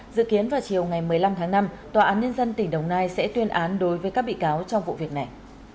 dự kiến vào chiều ngày một mươi năm tháng năm tòa án nhân dân tỉnh đồng nai sẽ tuyên án đối với các bị cáo trong vụ việc này